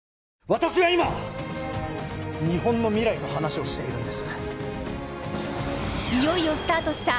私は今日本の未来の話をしているんです